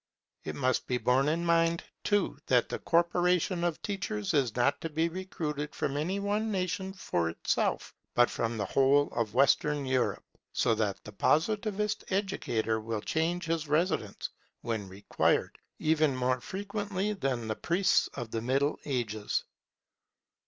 It must be borne in mind, too, that the corporation of teachers is not to be recruited from any one nation for itself, but from the whole of Western Europe; so that the Positivist educator will change his residence, when required, even more frequently than the priests of the Middle Ages.